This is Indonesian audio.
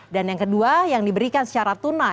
dan yang kedua yang diberikan secara tunai oleh pemerintah